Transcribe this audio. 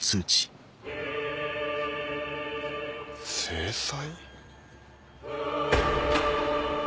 「制裁」？